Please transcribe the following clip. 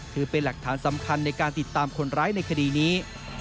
ถือเป็นหลักฐานสำคัญในการติดตามคนร้ายในคดีนี้